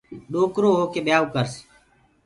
ڏوڪرو هوڪي ٻيآئو ڪرس